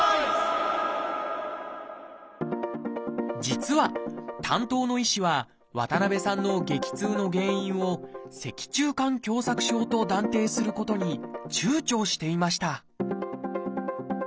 実は担当の医師は渡さんの激痛の原因を「脊柱管狭窄症」と断定することに躊躇していました